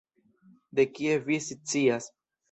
De kie vi scias?